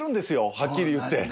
はっきり言って。